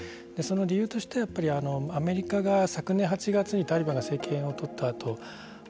その理由としてアメリカが昨年８月にタリバンが政権を取った後